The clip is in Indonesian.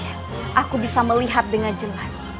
aku bisa melihat dengan jelas